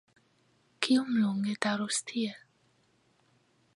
Kiom longe daŭros tiel?